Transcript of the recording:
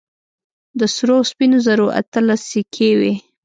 د سرو او سپينو زرو اتلس سيکې وې.